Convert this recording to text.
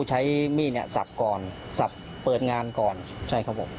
ใช้มีดเนี่ยสับก่อนสับเปิดงานก่อนใช่ครับผม